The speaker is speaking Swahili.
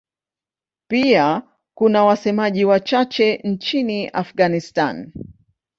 Pia kuna wasemaji wachache nchini Afghanistan.